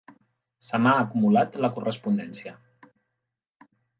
Se m'ha acumulat la correspondència.